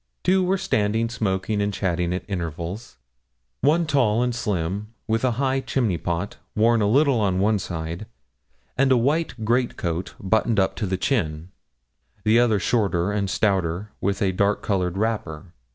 Two were standing smoking and chatting at intervals: one tall and slim, with a high chimney pot, worn a little on one side, and a white great coat buttoned up to the chin; the other shorter and stouter, with a dark coloured wrapper.